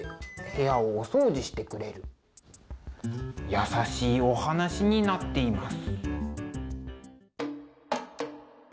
優しいお話になっています。